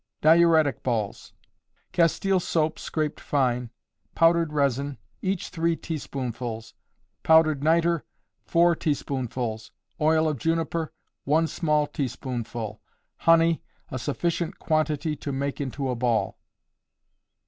Diuretic Balls. Castile soap scraped fine, powdered resin, each three teaspoonfuls; powdered nitre, four teaspoonfuls; oil of juniper, one small teaspoonful; honey, a sufficient quantity to make into a ball.